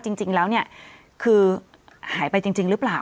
จริงแล้วเนี่ยคือหายไปจริงหรือเปล่า